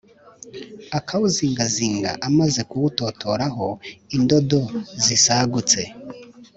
akawuzingazinga amaze kuwutotoraho indodo zisagutse;